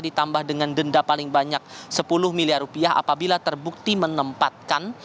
ditambah dengan denda paling banyak sepuluh miliar rupiah apabila terbukti menempatkan